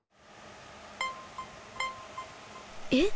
えっ？